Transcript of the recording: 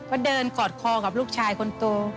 ก็เดินกอดคอกับลูกชายคนโต